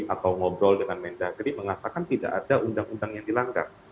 atau ngobrol dengan mendagri mengatakan tidak ada undang undang yang dilanggar